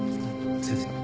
先生？